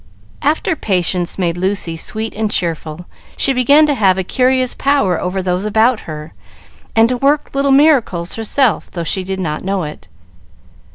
After Patience made Lucy sweet and cheerful, she began to have a curious power over those about her, and to work little miracles herself, though she did not know it.